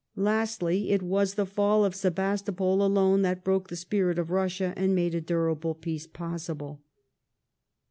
Lastly, it was the fall of Sebastopol alone that broke the spirit of Russia and made a durable peace possible.